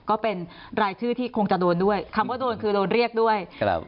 ก็เป็นรายชื่อที่คงจะโดนด้วยคำว่าโดนคือโดนเรียกด้วยครับ